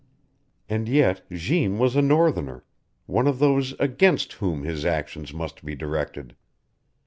And yet Jeanne was a northerner, one of those against whom his actions must be directed.